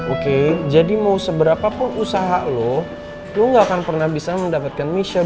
oke jadi mau seberapa pun usaha lo lo gak akan pernah bisa mendapatkan michelle